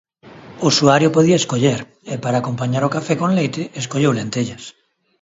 O usuario podía escoller e, para acompañar o café con leite, escolleu lentellas.